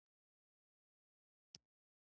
افغانستان کې آمو سیند د هنر په اثار کې منعکس کېږي.